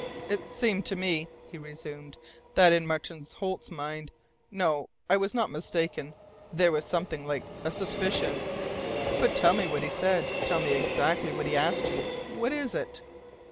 "It seemed to me," he resumed, "that in Martin Holt's mind no, I was not mistaken there was something like a suspicion." "But tell me what he said! Tell me exactly what he asked you. What is it?"